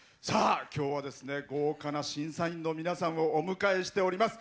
きょうは豪華な審査員の皆さんをお迎えしております。